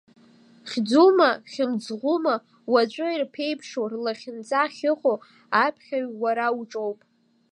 Хьӡума, хьымӡӷума уаҵәы ирԥеиԥшу, рлахьынҵа хьыҟоу, аԥхьаҩ, уара уҿоуп.